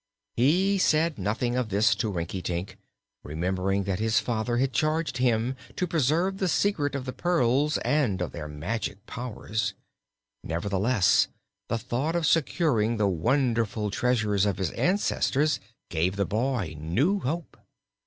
He said nothing of this to Rinkitink, remembering that his father had charged him to preserve the secret of the pearls and of their magic powers. Nevertheless, the thought of securing the wonderful treasures of his ancestors gave the boy new hope.